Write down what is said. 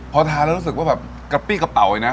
พอทานแล้วรู้สึกว่าแบบกระปี้กระเป๋าเลยนะ